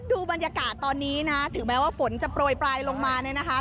ดูบรรยากาศตอนนี้นะถึงแม้ว่าฝนจะโปรยปลายลงมาเนี่ยนะคะ